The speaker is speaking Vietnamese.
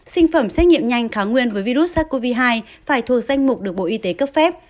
sinh phẩm xét nghiệm nhanh kháng nguyên với virus sars cov hai phải thuộc danh mục được bộ y tế cấp phép